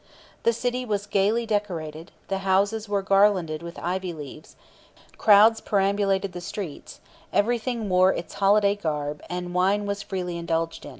The city was gaily decorated, the houses were garlanded with ivy leaves, crowds perambulated the streets, everything wore its holiday garb, and wine was freely indulged in.